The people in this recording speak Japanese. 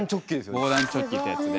防弾チョッキってやつで。